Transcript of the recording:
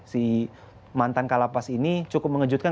si mantan kalapas ini cukup mengejutkan